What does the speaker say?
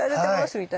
みたいな。